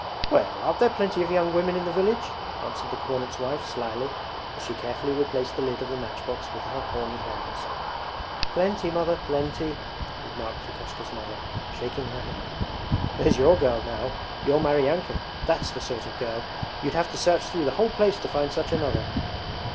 'Well, aren't there plenty of young women in the village?' answered the cornet's wife slyly as she carefully replaced the lid of the matchbox with her horny hands. 'Plenty, Mother, plenty,' remarked Lukashka's mother, shaking her head. 'There's your girl now, your Maryanka that's the sort of girl! You'd have to search through the whole place to find such another!'